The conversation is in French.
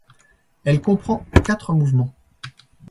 Elle comprend quatre mouvements.